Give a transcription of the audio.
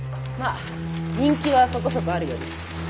まあ人気はそこそこあるようです。